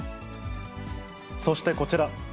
そしてこちら。